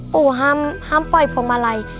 ปู่ห้ามปล่อยพวงมาลัย